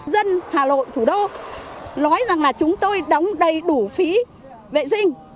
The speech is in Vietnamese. dân hà lộn thủ đô nói rằng là chúng tôi đóng đầy đủ phí vệ sinh